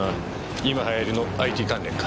今流行りのＩＴ関連か。